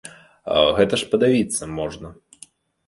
Гэта ж падавіцца можна!